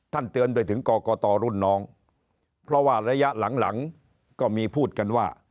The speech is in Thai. เตือนไปถึงกรกตรุ่นน้องเพราะว่าระยะหลังหลังก็มีพูดกันว่า